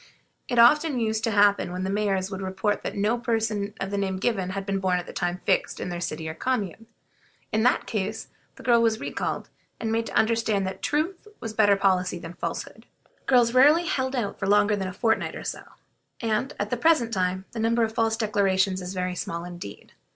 It often used to happen that the mayors would report that no person of the name given had been born at the time fixed in their city or commune. In that case the girl was recalled, and made to understand that truth was better policy than falsehood. Girls rarely held out longer than a fortnight or so, and, at the present time, the number of false declarations is very small indeed.